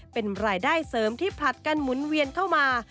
เป็นรายได้เสริมที่ผลัดกันหมุนเวียนเข้ามา